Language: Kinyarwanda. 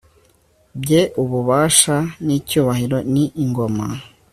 bye ububasha n'icyubahiro, ni ingoma